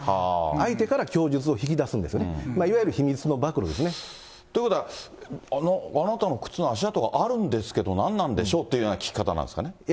相手から供述を引き出すんですよね。ということは、あなたの靴の足跡があるんですけど、何なんでしょうって聞き方なんですかね。